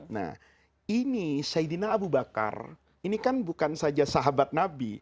nah ini saidina abu bakar ini kan bukan saja sahabat nabi